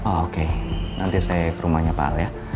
oke nanti saya ke rumahnya pak al ya